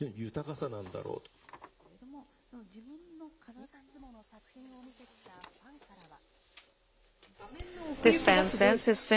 いくつもの作品を見てきたファンからは。